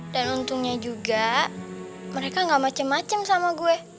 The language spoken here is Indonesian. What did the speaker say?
dan untungnya juga mereka gak macem macem sama gue